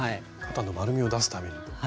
肩の丸みを出すために。